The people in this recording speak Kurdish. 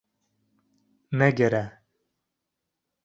Negire